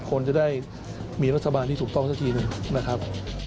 ควรจะได้มีรัฐบาลที่ถูกต้องสักทีหนึ่งนะครับ